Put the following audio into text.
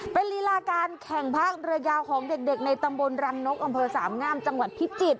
เป็นลีลาการแข่งภาคเรือยาวของเด็กในตำบลรังนกอำเภอสามงามจังหวัดพิจิตร